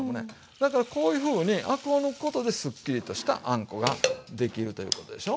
だからこういうふうにアクを抜くことでスッキリとしたあんこができるということでしょ。